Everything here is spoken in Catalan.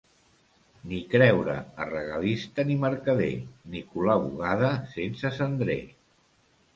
Ni creure a regalista ni mercader, ni colar bugada sense cendrer.